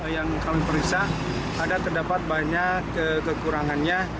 yang kami periksa ada terdapat banyak kekurangannya